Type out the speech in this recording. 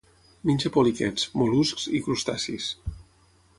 Menja poliquets, mol·luscs i crustacis.